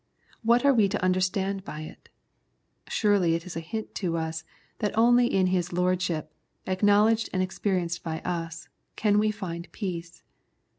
What are we to understand by it ? Surely it is a hint to us that only in His Lordship, acknowledged and experienced by us, can we find peace.